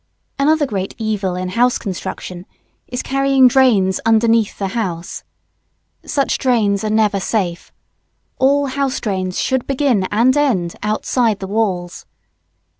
Another great evil in house construction is carrying drains underneath the house. Such drains are never safe. All house drains should begin and end outside the walls.